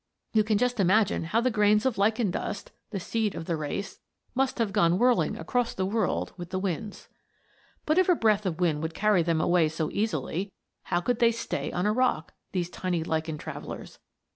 You can just imagine how the grains of lichen dust, the seed of the race, must have gone whirling across the world with the winds. But if a breath of wind would carry them away so easily, how could they stay on a rock, these tiny lichen travellers?